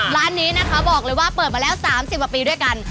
ร้านนี้นะคะบอกเลยว่าเปิดมาแล้ว๓๐กว่าปีด้วยกัน